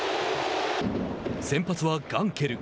先発はガンケル。